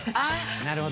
なるほど。